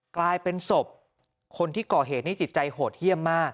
กลายเป็นศพคนที่ก่อเหตุนี้จิตใจโหดเยี่ยมมาก